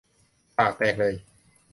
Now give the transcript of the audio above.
ปากแตกเลย